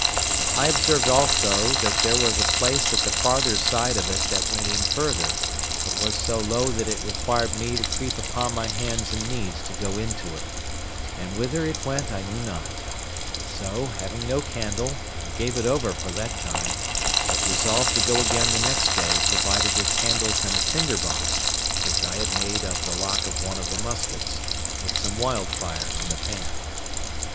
I observed also that there was a place at the farther side of it that went in further, but was so low that it required me to creep upon my hands and knees to go into it, and whither it went I knew not; so, having no candle, I gave it over for that time, but resolved to go again the next day provided with candles and a tinder box, which I had made of the lock of one of the muskets, with some wildfire in the pan.